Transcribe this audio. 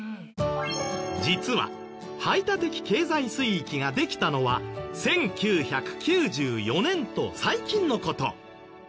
実は排他的経済水域ができたのは１９９４年と最近の事。